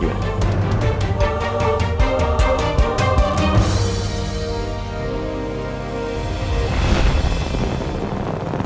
sampai kamu kasih nama sendiri bayi itu